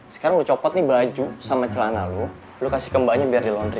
sekarang mau copot nih baju sama celana lo kasih kembaknya biar di laundry